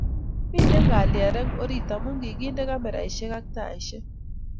Mitei kalyet reng oret amu kikende kameraishek and taishek